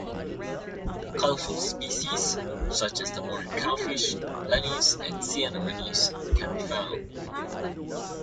Colorful species such as the ornate cowfish, blennies, and sea anemones can be found.